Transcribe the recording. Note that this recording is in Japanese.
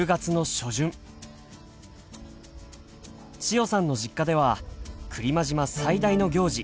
千代さんの実家では来間島最大の行事